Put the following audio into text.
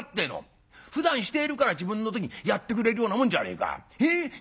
ふだんしているから自分の時にやってくれるようなもんじゃねえか。